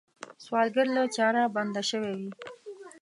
سوالګر له چاره بنده شوی وي